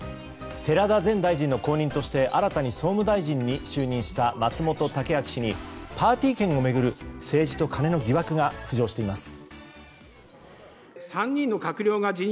寺田前大臣の後任として総務大臣に就任した松本剛明氏にパーティー券を巡る政治とカネの疑惑が浮上しています。